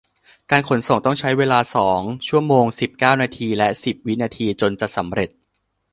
การขนส่งต้องใช้เวลาสองชั่วโมงสิบเก้านาทีและสิบวินาทีจนจะสำเร็จ